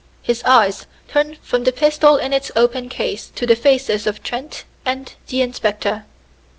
His eyes turned from the pistol in its open case to the faces of Trent and the inspector.